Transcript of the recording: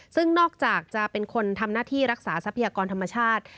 ซึ่งนอกจากจะเป็นคนทำหน้าที่รักษาทรัพยากรธรรมชาติ